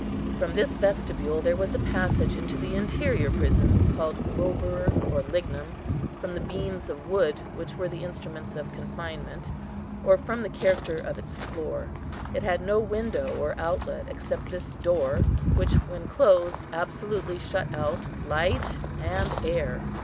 From this vestibule there was a passage into the interior prison, called Robur or Lignum, from the beams of wood, which were the instruments of confinement, or from the character of its floor. It had no window or outlet, except this door, which, when closed, absolutely shut out light and air.